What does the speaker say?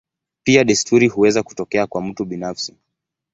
Pia desturi huweza kutokea kwa mtu binafsi.